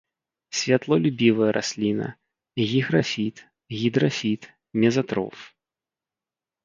Святлолюбівая расліна, гіграфіт, гідрафіт, мезатроф.